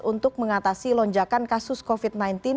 untuk mengatasi lonjakan kasus covid sembilan belas